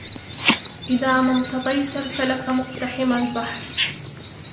إذا ما امتطيت الفلك مقتحم البحر